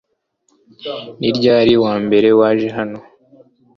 Ni ryari wa mbere waje hano